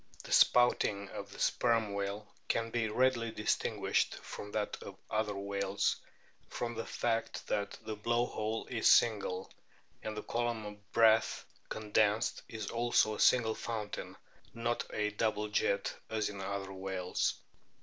The spouting of the Sperm whale can be readily distinguished from that of other whales from the fact that the blow hole is single, and the column of breath condensed is also a single fountain, not a double jet, as in other whales.